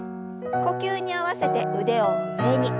呼吸に合わせて腕を上に。